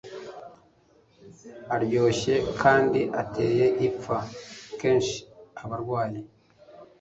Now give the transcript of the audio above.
aryoshye kandi ateye ipfa Kenshi abarwayi